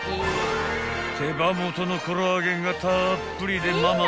［手羽元のコラーゲンがたっぷりでママ